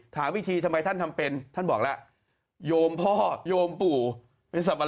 ถามอีกทีทำไมท่านทำเป็นท่านบอกแล้วโยมพ่อโยมปู่เป็นสรรพ